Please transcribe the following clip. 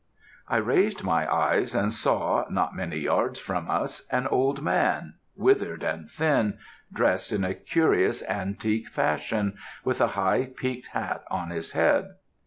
"'I raised my eyes and saw, not many yards from us, an old man, withered and thin, dressed in a curious antique fashion, with a high peaked hat on his head.